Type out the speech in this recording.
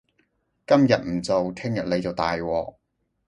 今日唔做，聽日你就大鑊